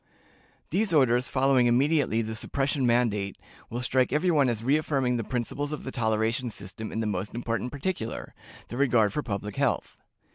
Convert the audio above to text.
These orders, following immediately the suppression mandate, will strike every one as reaffirming the principles of the toleration system in the most important particular the regard for public health.